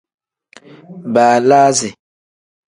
Baalasi.